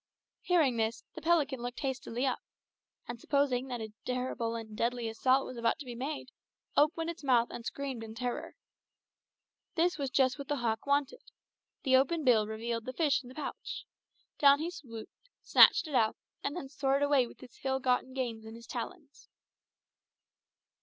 Hearing this, the pelican looked hastily up, and supposing that a terrible and deadly assault was about to be made, opened its mouth and screamed in terror. This was just what the hawk wanted. The open bill revealed the fish in the pouch. Down he swooped, snatched it out, and then soared away with his ill gotten gains in his talons.